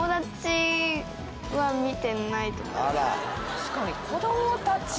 確かに。